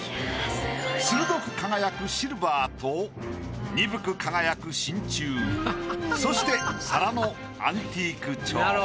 鋭く輝くシルバーと鈍く輝く真鍮そして皿のアンティーク調。